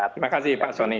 terima kasih pak soni